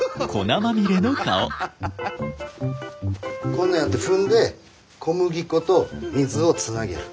こんなやって踏んで小麦粉と水をつなげる。